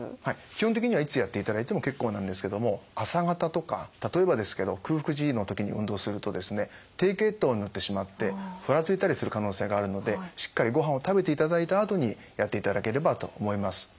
基本的にはいつやっていただいても結構なんですけども朝方とか例えばですけど空腹時の時に運動すると低血糖になってしまってふらついたりする可能性があるのでしっかりごはんを食べていただいたあとにやっていただければと思います。